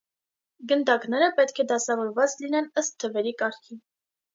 Գնդակները պետք է դասավորված լինեն ըստ թվերի կարգի։